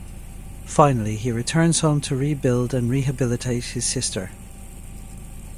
Finally he returns home to rebuild and rehabilitate his sister.